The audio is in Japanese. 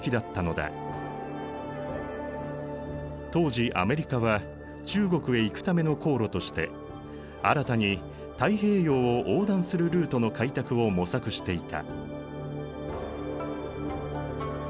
当時アメリカは中国へ行くための航路として新たに太平洋を横断するルートの開拓を模索していた。